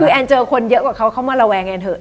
คือแอนเจอคนเยอะกว่าเขาเขามาระแวงแอนเถอ